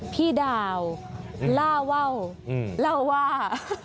พี่ดาวล่าว่า